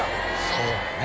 そうだね。